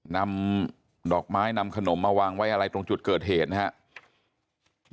นำดอกไม้นำขนมมาวางไว้อะไรตรงจุดเกิดเหตุนะครับ